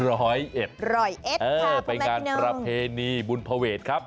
ร้อยเอ็ดครับผมแม่ที่หนึ่งไปงานประเพณีบุญภเวตครับ